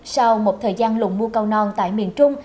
sau một thời gian lùng mua cao non tại miền trung